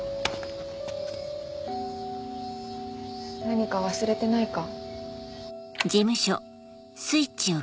何か忘れてないか？